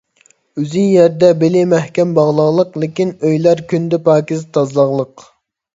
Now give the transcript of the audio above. ئۆزى يەردە بېلى مەھكەم باغلاغلىق، لېكىن ئۆيلەر كۈندە پاكىز تازىلاقلىق.